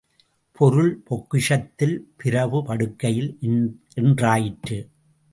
பொருள் பொக்கிஷத்தில், பிரபு படுக்கையில் என்றாயிற்று.